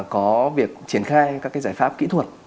có việc triển khai các giải pháp kỹ thuật